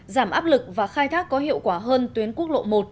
giảm áp lực và khai thác có hiệu quả hơn tuyến quốc lộ một